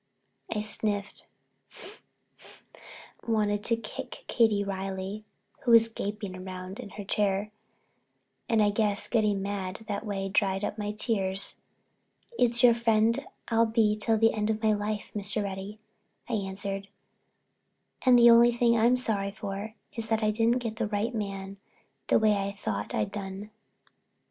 I sniffed, wanting to kick Katie Reilly, who was gaping round in her chair, and I guess getting mad that way dried up my tears. "It's your friend I'll be till the end of my life, Mr. Reddy," I answered. "And the only thing I'm sorry for is that I didn't get the right man the way I thought I'd done."